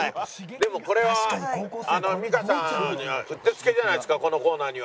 でもこれは美香さんにはうってつけじゃないですかこのコーナーには。